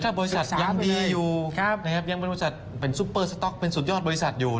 ถ้าบริษัทยังดีอยู่เป็นซุปเปอร์สต็อกเป็นสุดยอดบริษัทอยู่